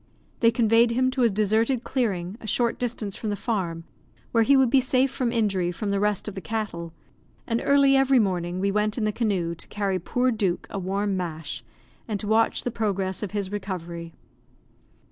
They conveyed him to a deserted clearing, a short distance from the farm, where he would be safe from injury from the rest of the cattle; and early every morning we went in the canoe to carry poor Duke a warm mash, and to watch the progress of his recovery.